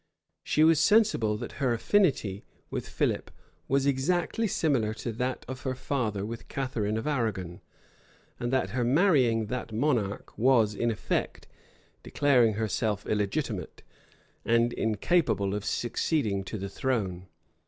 She was sensible that her affinity with Philip was exactly similar to that of her father with Catharine of Arragon; and that her marrying that monarch was, in effect, declaring herself illegitimate, and incapable of succeeding to the throne.